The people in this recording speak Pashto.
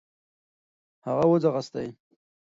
هغه و ځغاستی .